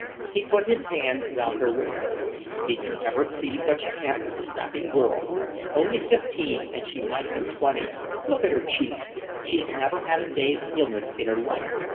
He put his hand round her waist. "Did you ever see such a handsome, strapping girl? Only fifteen and she might be twenty. Look at her cheeks. She's never had a day's illness in her life.